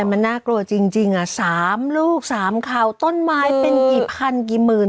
มันน่ากลัวจริง๓ลูก๓เขาต้นไม้เป็นกี่พันกี่หมื่น